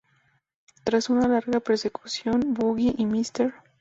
Tras una larga persecución, Buggy y Mr.